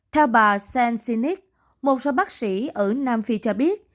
theo bà sainz sinic một số bác sĩ ở nam phi cho biết